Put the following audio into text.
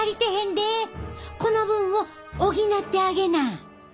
この分を補ってあげな。